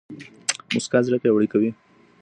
موسکا زړه پياوړی کوي